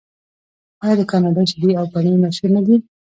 آیا د کاناډا شیدې او پنیر مشهور نه دي؟